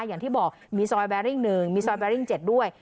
อย่างที่บอกมีซอยแบริ่ง๑มีซอยแบริ่ง๗ด้วย